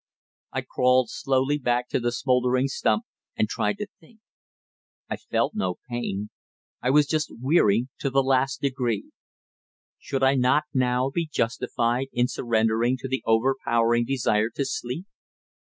I crawled slowly back to the smouldering stump and tried to think. I felt no pain; I was just weary to the last degree. Should I not now be justified in surrendering to the overpowering desire to sleep?